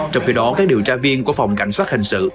trong khi đó các điều tra viên của phòng cảnh sát hình sự